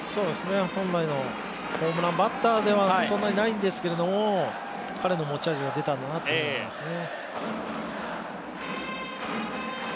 本来の、そんなにホームランバッターではないんですが、彼の持ち味が出たんだなと思いますね。